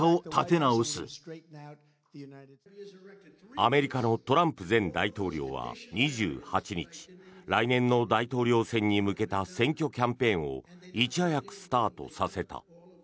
アメリカのトランプ前大統領は２８日来年の大統領選に向けた選挙キャンペーンをいち早くスタートさせた。